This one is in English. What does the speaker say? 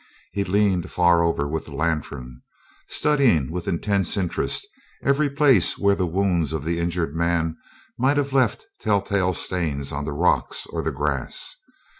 He leaned far over with the lantern, studying with intense interest every place where the wounds of the injured man might have left telltale stains on the rocks or the grass.